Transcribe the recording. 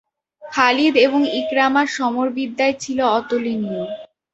খালিদ এবং ইকরামা সমরবিদ্যায় ছিল অতুলনীয়।